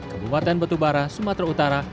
kebuatan betubara sumatera utara